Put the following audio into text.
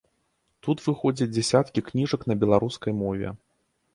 Тут выходзяць дзясяткі кніжак на беларускай мове.